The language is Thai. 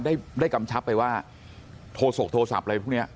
ได้ได้กำชัพไปว่าโทรศกโทรศัพท์อะไรพรุ่งเนี้ย